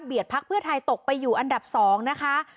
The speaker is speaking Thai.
พักเพื่อไทยตกไปอยู่อันดับ๒นะคะ